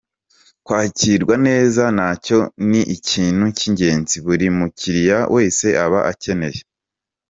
Kwakirwa neza nacyo ni ikintu cy’ingenzi buri mukiriya wese aba akeneye.